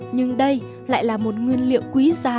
nhưng đây lại là một nguyên liệu quý giá